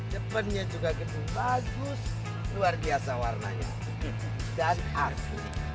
jepunnya juga gitu bagus luar biasa warnanya dan ars